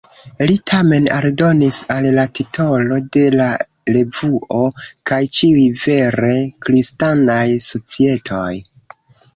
Li tamen aldonis al la titolo de la revuo "kaj ĉiuj vere Kristanaj Societoj".